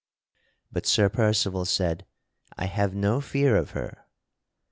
But Sir Percival said: "I have no fear of her."